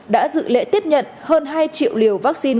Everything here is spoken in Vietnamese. đã dự lễ tiếp nhận hơn hai triệu liều vaccine